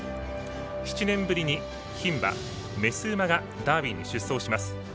７年ぶりに牝馬、雌馬がダービーに出走します。